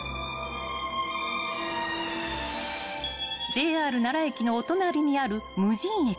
［ＪＲ奈良駅のお隣にある無人駅］